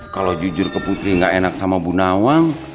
kalau jujur ke putri gak enak sama bu nawang